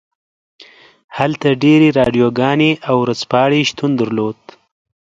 هلته ډیرې راډیوګانې او ورځپاڼې شتون درلود